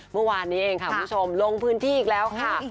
เมื่อวานนี้เองค่ะคุณผู้ชมลงพื้นที่อีกแล้วค่ะ